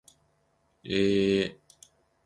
えー